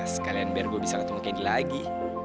sekalian biar gua bisa ketemu candy lagi